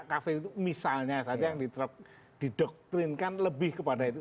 kafe itu misalnya saja yang didoktrinkan lebih kepada itu